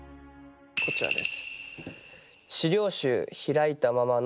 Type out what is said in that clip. こちらです。